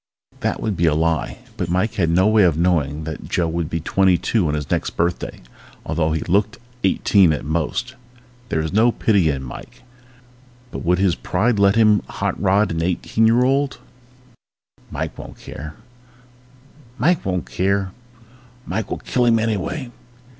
_ That would be a lie but Mike had no way of knowing that Joe would be twenty two on his next birthday, although he looked eighteen at most. There was no pity in Mike but would his pride let him hot rod an eighteen year old? _Mike won't care! Mike will kill him anyway!